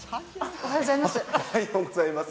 おはようございます。